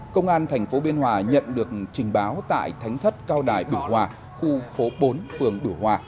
công an tp biên hòa nhận được trình báo tại thánh thất cao đài biểu hòa khu phố bốn phường biểu hòa